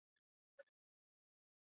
Itsaso gaixo dago eta ohean geldituko da.